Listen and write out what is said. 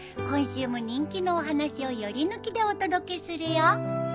今週も人気のお話をより抜きでお届けするよ。